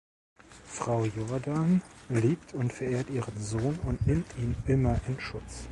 Frau Jordan liebt und verehrt ihren Sohn und nimmt ihn immer in Schutz.